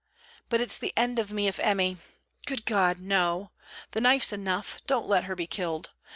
But it's the end of me if Emmy.... Good God! no! the knife's enough; don't let her be killed!